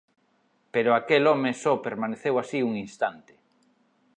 Pero aquel home só permaneceu así un instante.